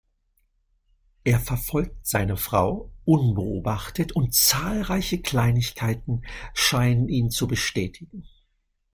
Er verfolgt seine Frau unbeobachtet und zahlreiche Kleinigkeiten scheinen ihn zu bestätigen.